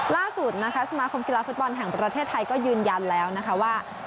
ล่าสุดนะคะสมาคมกีฬาฟุตบอลแห่งประเทศไทยก็ยืนยันแล้วนะคะว่า